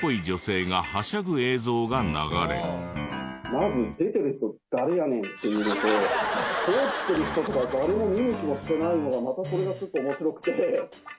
まず出てる人誰やねん？っていうのと通ってる人とか誰も見向きもしてないのがまたそれがちょっと面白くて。